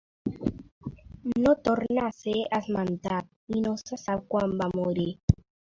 No torna a ser esmentat i no se sap quan va morir.